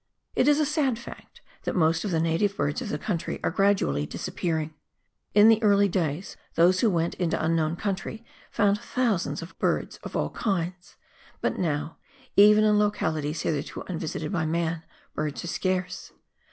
It is a sad fact that most of the native birds of the country are gradually disappearing. In the early days, those who went into unknown country found thousands of birds of all kinds ; but now, even in localities hitherto unvisited by man, birds are scarce.